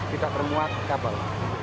kita permuat kapal